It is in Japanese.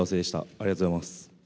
ありがとうございます。